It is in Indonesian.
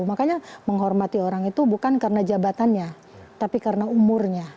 makanya menghormati orang itu bukan karena jabatannya tapi karena umurnya